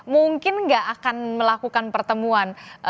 mungkin nggak akan melakukan pertemuan